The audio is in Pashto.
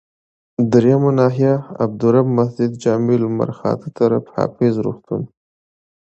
دریمه ناحيه، عبدالرب مسجدجامع لمرخاته طرف، حافظ روغتون.